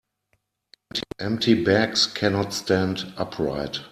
Empty bags cannot stand upright.